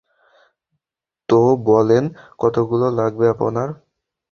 তো বলেন, কতগুলো লাগবে আপনার?